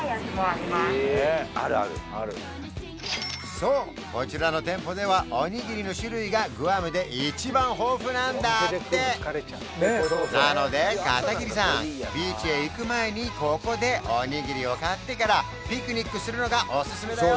そうこちらの店舗ではおにぎりの種類がグアムで一番豊富なんだってなので片桐さんビーチへ行く前にここでおにぎりを買ってからピクニックするのがおすすめだよ